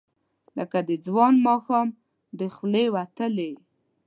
لکه د ځوان ماښام، د خولې وتلې،